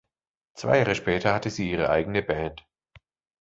Zwei Jahre später hatte sie ihre eigene Band.